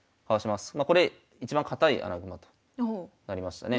まあこれ一番堅い穴熊となりましたね。